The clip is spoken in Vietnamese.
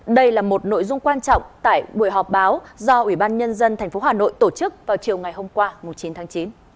đây là một nội dung quan trọng tại buổi họp báo do ủy ban nhân dân tp hà nội tổ chức vào chiều ngày hôm qua chín tháng chín